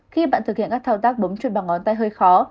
khi bạn thực hiện các thao tác bấm chuột bằng ngón tay hơi khó